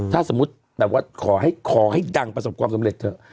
ถ้าสมมติดังดังประสบความสำเร็จเถอะ